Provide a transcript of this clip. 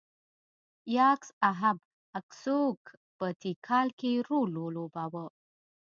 یاکس اهب اکسوک په تیکال کې رول ولوباوه.